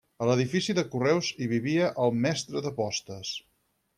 A l'edifici de correus hi vivia el mestre de postes.